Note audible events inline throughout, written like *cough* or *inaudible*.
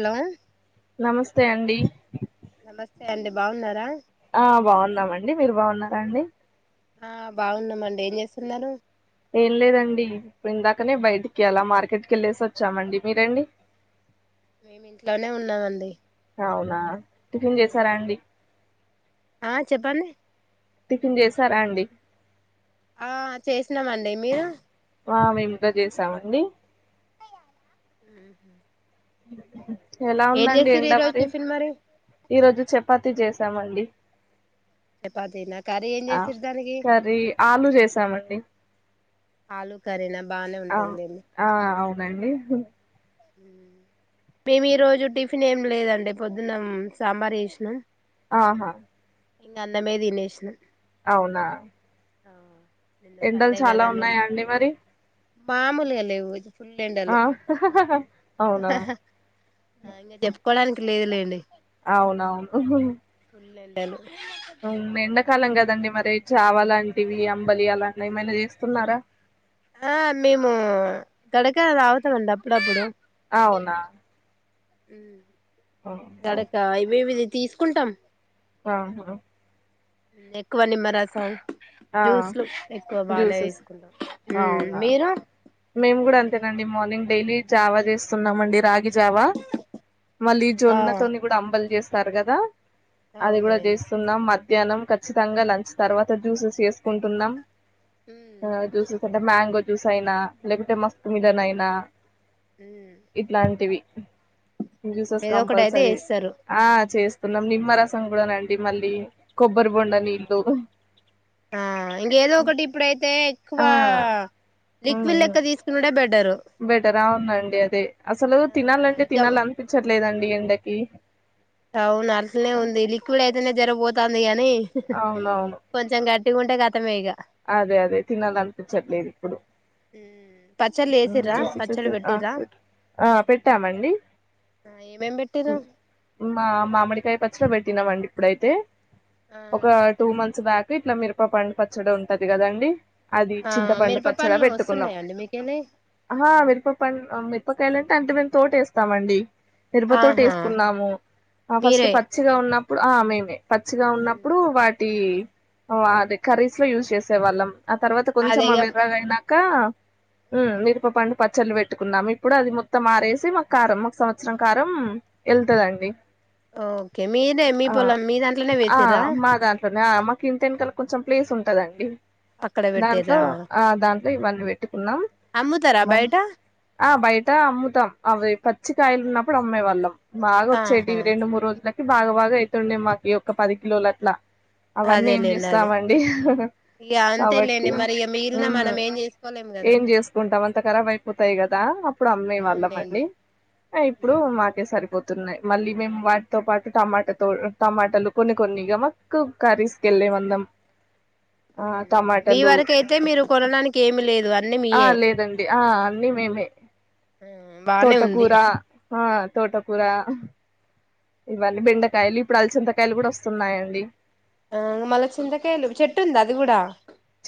hello నమస్తే అండి నమస్తే అండి బాగున్నారా ఆ బాన్నామండి మీరు బాగున్నారఅండి ఆ బాగున్నామండి ఏం చేస్తున్నారు ఏం లేదండి ఇందాకనే బయటికి అలా మార్కెట్కి ఎళ్ళేసి వచ్చామండి మీరండి మేమింట్లోనే ఉన్నామండి అవునా టిఫిన్ చేసారా అండి ఆ చెప్పండి టిఫిన్ చేసారా అండి ఆ చేసినామండి మీరు వా మేముకా చేసామండి ఊమ్ ఎలా ఉందండి ఎండ ఈ రోజు మరి టిఫిన్ ఈరోజు చపాతి చేసామండి చపాతీనా కర్రీ ఏం ఆ చేసిరు దానికి కర్రీ ఆలూ చేసామండి ఆలూ కర్రీనా బానే ఆ ఉంటద్ లెండి ఆ అవునండి మేము ఈ రోజు టిఫిన్ ఏం లేదండి పొద్దునమ్మ్ సాంబార్ చేసినాం ఆహా ఇంక అన్నమే తినేసినం అవునా ఆవున్ ఎండల్ చాలా ఉన్నాయా అండి మరి మామూల్ గా లేవు ఆ ఫుల్లెండలు అవునా ఆ ఇంకా చెప్కోడానికి లేదులేండి అవునవును ఫుల్ల్ ఎండలు ఎండాకాలం కదండి మరి జావ లాంటివి అంబలి అలాంటి ఏమైనా చేస్తున్నార ఆ మేము కడక తాగుతామండి అప్పుడప్పుడు అవునా హ్మ్ ఆహా గడక ఇవేమిది తీసుకుంటాం ఆహా ఎక్కువ నిమ్మరసం ఆ జ్యూస్లు ఎక్కువ బానే జ్యూసెస్ తీస్ కుంటాం హూ అవునా మీరు మేము కూడా అంతేనండి మార్నింగ్ డైలీ జావా చేస్తున్నామండి రాగి జావా మళ్ళీ ఆ జొన్న తోని కూడా అంబల్ చేస్తారు కదా అది కూడా అవునండి చేసి స్తున్నం మధ్యాహ్నం ఖచ్చితంగా లంచ్ తర్వాత జ్యూసెస్ చేసుకుంటున్నాం ఆ జ్యూసెస్ అంటే మ్యాంగో జ్యూస్ అయినా లేకుంటే మస్తమిదన్ అయినా ఊ ఇట్లాంటివి జ్యూసెస్ ఏదో ఒకటి అయితే కంపల్సరీ వేస్తారు ఆ చేస్తున్నాం నిమ్మరసం కూడానండి మళ్ళీ కొబ్బరి బొండ నీళ్ళలు ఆ ఇంకేదో ఒకటి ఇప్పుడైతే ఎక్కువ ఆ రిక్విల్ లెక్క తీసుకున్నడే బెడరు బెటరా ఉన్నాండి అదే అసలు ఆ తినాలంటే ఇక తినాలి అనిపించట్లేదండి ఎండకి అవును అసనే ఉంది లిక్విడ్ అయితేనే జరిగిపోతుంది కాగానీ అవునవును కొంచెం గట్టిగా ఉంటే గతమే ఇక అదే అదే తినాల అనిపించట్లేదు ఇప్పుడు పచ్చళ్ళు వేసిర్రా చూసి పచ్చళ్ళు చూ ఆ పెట్టిర్రా ఆ పెట్టామండి ఏమేం పెట్టిర్రు ఉమ్, మా మామిడికాయ పచ్చలో పెట్టినామండి ఇప్పుడైతే ఒక టూ మంత్స్ బ్యాక్ ఇట్లా మిరప పండిపచ్చడం ఉంటుది కదాండి అది ఆ చింతపండు పచ్చడా మిరపపళ్ళు పెట్టుకుందం వస్తున్నాయా అండి మీకెళ్ళి ఆ మిరప పం మిరపకాయలు అంటే అంతే మేము తోటేస్తామండి ఎరుపతోటి ఆహా వేసుకున్నాము ఆ ఫస్ట్ మీరే పచ్చిగా ఉన్నప్పుడు ఆ మేమే పచ్చిగా ఉన్నప్పుడు వాటి అదిే కర్రీస్ లో యూజ్ చేసేవాళ్ళం ఆ తర్వాత కొంచెం అదే ఆ ఇగ విర్రగా అయినాక మీరు పండు పచ్చళ్ళు పెట్టుకున్నాం ఇప్పుడు అది మొత్తం ఆారేసి మాకు కారం మాకు సంవత్సరం కారం వెళ్తుదండి ఓకే మీనే మీ పోల మీ దాంట్లోనే వేసిరా అ అమ్మకి ఇంటి వెంకాల కొంచెం ప్లేస్ ఉంటదండి అక్కడ దాంట్లో పెట్టిర్రా ఆ దాంట్లో ఇవన్నీ పెట్టుకున్నాం అమ్ముతారా బయట ఆ బయట అమ్ముతాం అవి పచ్చికయలు ఉన్నప్పుడు అమ్మేవాళ్ళం బాగా ఆహా వచ్చేటివి రెండు మూడు రోజులకి బాగా బాగా అయితుండేవి మాకి ఒక పది కిలోలు అట్లా అవన్నీ ఏం అదేలేండి అదే చేస్తామండి ఇగ కాబట్టి అంతేలేండి మరి ఇగ మిగిలిన మనం ఏం చేసుకోలేం కదా ఏం చేసుకుంటాం అంత కరా అై పోతాయి కదా అప్పుడు అమ్మాయి అవునులేండి వాళ్ళమండి ఇప్పుడు మాకే సరిపోతు న్నాయి మళ్ళీ మేము వాటితో పాటు టమాటాతో టమాటలు కొన్ని కొన్నిగా మాకు కర్రీస్ క వెళ్ళేమందం మీ వరక అయితే మీరు కొనడానికి ఏమి లేదు అన్నీ ఆ మీయే లేదండి ఆ అన్నీ మేమే బానే ఉంది తోటకూర ఆ తోటకుర ఉ ఇవన్నీ బెండకాయలు ఇప్పుడు అలచంతకాయలు కూడా వస్తున్నాయండి ఆ మలచింతకాయలు చెట్టు ఉందా అది కూడా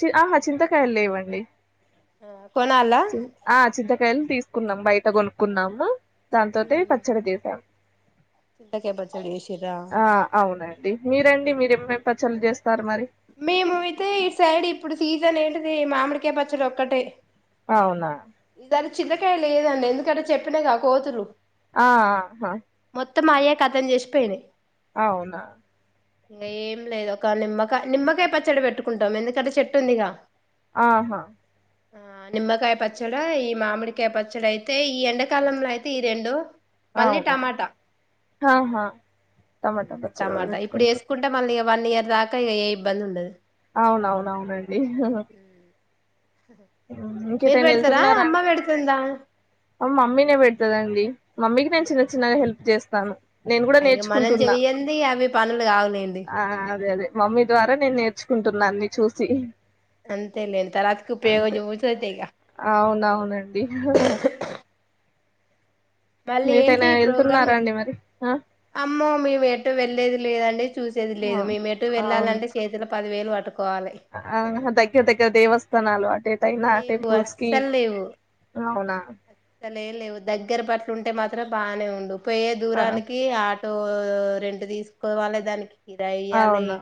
చి ఆహా చింతకాయలు లేవండి కోన అల్లా ఆ చింతకాయలు తీసుకున్నాం బయట కొనుక్కున్నాము దాంతోట పచ్చడి తీసాం చింతక పచ్చడి ఏషిరా ఆ అవునండి మీరండి మీరేమేం పచ్చళ్ళ చేస్తారు మరి మేము అయితే ఈ సైడ్ ఇప్పుడు సీజన్ ఏంటిది మామిడికాయ పచ్చడి ఒక్కటే అవునా ఈసారి చిల్లకాయ లేదండి ఎందుకంటే చెప్పినాగా కోతులు ఆహా మొత్తం మాయే కథం చేసిపోయిను అవునా *inaudible* ఇంగ ఏం లేదు ఒక నిమ్మకాయ్ నిమ్మకాయ పచ్చడి పెట్టుకుంటాం ఎందుకంటే చెట్టు ఉందిగా ఆహా ఆ నిమ్మకాయ ప పచ్చడ ఈ మామిడికాయ పచ్చడయితే ఈ ఎండాకాలంలో అయితే ఈ రెండు మళ్ళీ అవునా టమాటా ఆహా టమాటా పచ్చడి కూడా టమాటా ఇప్పుడు పెట్టుకుంటారు ఎసుకుంట టే మళ్ళీ ఇగ వన్ ఇయర్ దాకా ఇగ ఏ ఇబ్బంది ఉండదు అవునవును అవునండి మీరు ఇంకేటైనా పెడతారా వెళ్తున్నారా అమ్మ అండి పెడతుందా మమ్మీనే పెడతదండి మమ్మీకి నేను చిన్న చిన్నగా హెల్ప్ చేస్తాను నేను కూడా ఇగ మనం నేర్చుకుంటున్నా చెయ్యంది అవి పనులు కావులేండి ఆ అదే అదే మమ్మీ ద్వారా నేను నేర్చుకుంటున్నా అన్ని చూసి అంతలే ఇంత రాత్కు పెవ అంతే జోస్రతే ఇగ అవునవునండి మళ్ళీ ఏంటి మీటైనా ఈ ప్రోగ్రామ్ వెళ్తున్నారా అండి మరి ఆ అమ్మో మేము ఎటు వెళ్లేేది లేదండి చూసేది లేదు మేము ఎటు ఆ వెళ్ళాలంటే చేతిలో పది వేలు పట్టుకోవాలి ఆ దగ్గర దగ్గర దేవస్థానాలు అటే తయినా లేవు టెంపుల్స్కి అస్సలు అవునా అట్ట లే లేవు దగ్గర బట్లు ఉంటే మాత్రం బానే ఉండు పోయే ఆ దూరానికి ఆ టూ రెంట్ తీసుకోవాలి దానికి కిరాఇయ్యాలె అవునా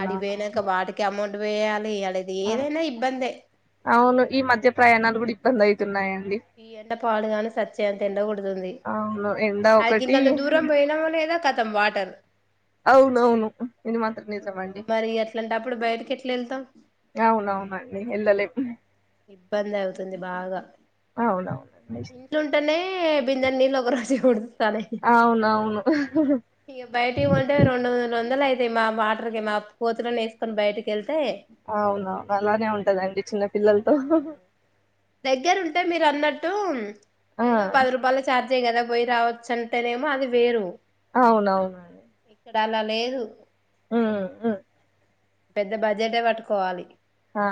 ఆడికి పోయినాక వాటికి అమౌంట్ వేయాలి ఆడది ఆ ఏదైనా ఇబ్బందే అవును ఈ మధ్య ప్రయాణాలు కూడా ఇబ్బంది అవుతున్నాయండి ఈ ఎండ పాడుగాను చచ్చేంత ఎండ కొడుతుంది అవును ఎండ అది ఒకటి గింతంత దూరం పోయినామో లేదో కతం వాటర్ అవునఅవును ఇది మాత్రం నిజమండి అట్లటప్పుడు బయటికి ఎట్లా ఎళ్తాం అవునవునండి ఎల్లలేం ఇబ్బంది అవుతుంది బాగా అవునవునండి ఇట్లుంటేనే బిందె నీళ్లు ఒకరు రా చేయకూడదు అవునవును ఇగ బయటికి కొంటే రెండు మూడొందలయితయ్ మా వాటర్కి మా కోతులను ఎస్కొని బయటకి ఎళ్తే అవున అలానే ఉంటదండి చిన్న పిల్లలతో దగ్గర ఉంటే మీరు అన్నట్టు ఆ ఏదో పది రూపాయలు ఛార్జే కదా పోయి రావచ్చ అంటేనేమో అది వేరు అవునవును ఇక్కడ అలా లేదు ఆ ఆ పెద్ద బడ్జెటే పట్టుకోవాలి ఆ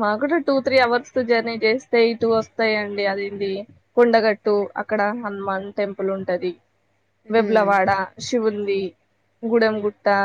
మాగూడ టూ త్రీ అవర్స్ జర్నీ చేస్తే ఇటు వస్తాయిండి అదింది కొండగట్టు అక్కడ హనుమాన్ టెంపుల్ ఉంటది ఉమ్ వెబ్లవాడ శివుంది గూడెం గుట్ట